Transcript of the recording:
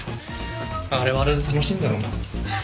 あれはあれで楽しいんだろうな。